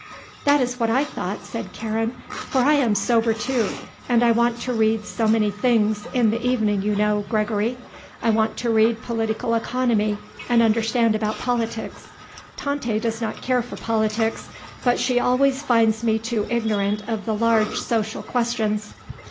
"That is what I thought," said Karen. "For I am sober, too, and I want to read so many things, in the evening, you know, Gregory. I want to read Political Economy and understand about politics; Tante does not care for politics, but she always finds me too ignorant of the large social questions.